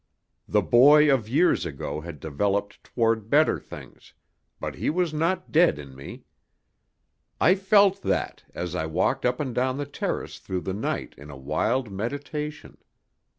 The boy of years ago had developed toward better things, but he was not dead in me. I felt that as I walked up and down the terrace through the night in a wild meditation.